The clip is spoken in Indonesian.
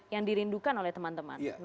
yang dirindukan oleh teman teman